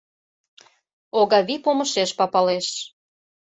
Огавий помышеш папалеш.